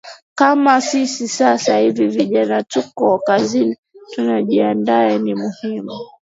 kama sisi sasa hivi vijana tuko kazini tujiaandae ni muhimu